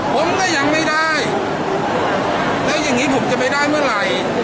ผมก็ยังไม่ได้แล้วอย่างนี้ผมจะไปได้เมื่อไหร่